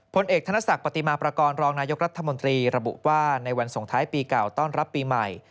ผลเอกธนศักดิ์ปฏิมาประกอบรองนายกรัฐมนตรีระบุว่าในวันส่งท้ายปีเก่าต้อนรับปีใหม่